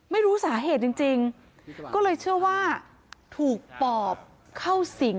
ไม่รู้สาเหตุจริงจริงก็เลยเชื่อว่าถูกปอบเข้าสิง